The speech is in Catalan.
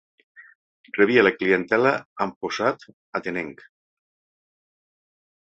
Rebia la clientela amb posat atenenc.